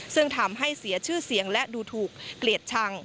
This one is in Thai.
ซึ่งทำให้เสียชื่อเสียงและดูถูกเกลียดชัง